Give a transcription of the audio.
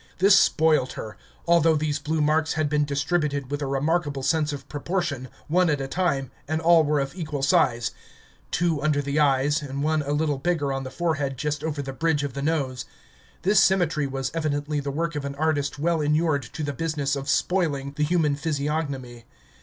This spoilt her, although these blue marks had been distributed with a remarkable sense of proportion, one at a time, and all were of equal size two under the eyes, and one a little bigger on the forehead just over the bridge of the nose. This symmetry was evidently the work of an artist well inured to the business of spoiling the human physiognomy.